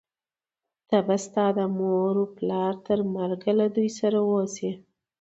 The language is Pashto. ته به ستا د مور و پلار تر مرګه له دوی سره اوسې،